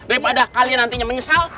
daripada kalian nantinya menyesal